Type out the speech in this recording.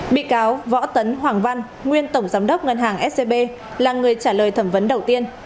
bị cáo võ tấn hoàng văn nguyên tổng giám đốc ngân hàng scb là người trả lời thẩm vấn đầu tiên